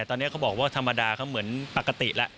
ตอนนี้เขาบอกว่าธรรมดาเขาเหมือนปกติแล้ว